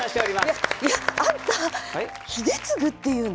いやいやあんた英嗣っていうの？